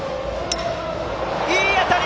いい当たり！